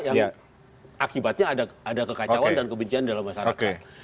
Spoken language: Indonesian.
yang akibatnya ada kekacauan dan kebencian dalam masyarakat